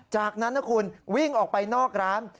จากนั้นนะคุณวิ่งออกไปนอกร้าน